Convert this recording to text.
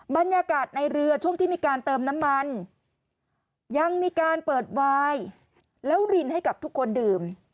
บรรยากาศในเรือช่วงที่มีการเติมน้ำมันยังมีการเปิดวายแล้วรินให้กับทุกคนดื่ม